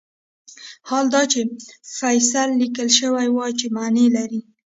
حال دا چې فصیل لیکل شوی وای چې معنی لري.